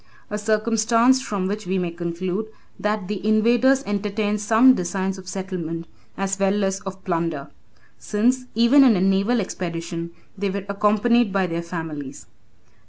A circumstance from which we may conclude, that the invaders entertained some designs of settlement as well as of plunder; since even in a naval expedition, they were accompanied by their families.